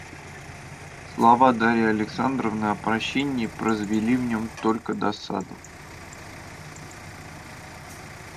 Слова Дарьи Александровны о прощении произвели в нем только досаду.